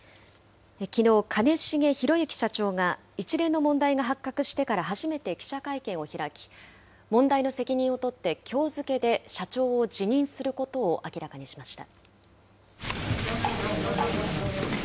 きのう、兼重宏行社長が一連の問題が発覚してから初めて記者会見を開き、問題の責任を取って、きょう付けで社長を辞任することを明らかにしました。